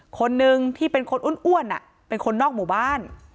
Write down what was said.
คนหนึ่งที่เป็นคนอ้วนเป็นคนนอกหมู่บ้าน